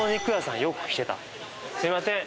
すいません。